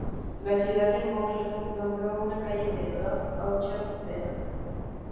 La ciudad de Mödling, nombró una calle Dr. Otto Scheff-Weg.